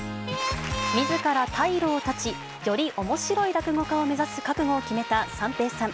みずから退路を断ち、よりおもしろい落語家を目指す覚悟を決めた三平さん。